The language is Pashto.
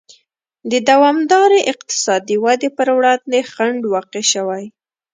د دوامدارې اقتصادي ودې پر وړاندې خنډ واقع شوی.